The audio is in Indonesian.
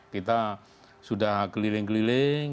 kita sudah keliling keliling